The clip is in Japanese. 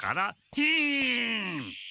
ヒン！